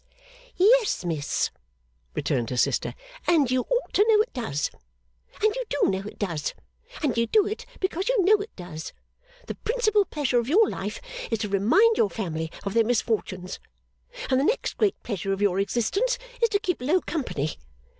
'Yes, miss,' returned her sister, 'and you ought to know it does. And you do know it does, and you do it because you know it does. The principal pleasure of your life is to remind your family of their misfortunes. And the next great pleasure of your existence is to keep low company.